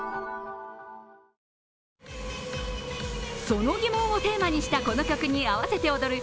その疑問をテーマにしたこの曲に合わせて踊る